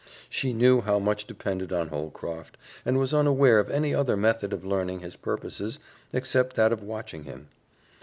She knew how much depended on Holcroft, and was unaware of any other method of learning his purposes except that of watching him.